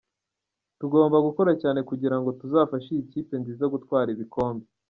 Tugomba gukora cyane kugira ngo tuzafashe iyi kipe nziza gutwara ibikombe.